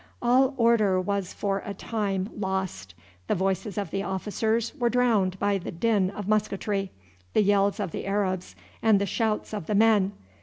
All order was for a time lost; the voices of the officers were drowned by the din of musketry, the yells of the Arabs, and the shouts of the men.